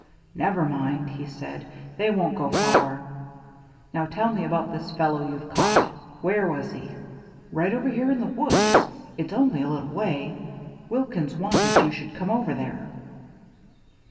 "Never mind," he said. "They won't go far. Now tell me about this fellow you've caught. Where was he?" "Right over here in the woods; it's only a little way. Wilkins wanted you should come over there."